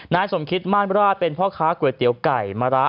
น้ายสมคิตมานบิระนท์เป็นพ่อค้าก๋วยเตี๋ยวก่ายมะระ